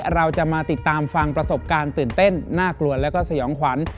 เราจะมาติดตามฟังประสบการณ์ตื่นเต้นน่ากลัวแล้วก็สยองขวัญ